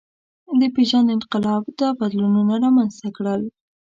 د پېژند انقلاب دا بدلونونه رامنځ ته کړل.